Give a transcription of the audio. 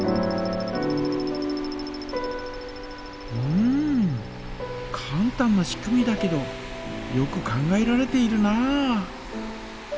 うんかん単な仕組みだけどよく考えられているなあ。